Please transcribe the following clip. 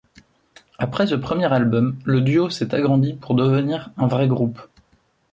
Après ce premier album, le duo s'est agrandi pour devenir un vrai groupe.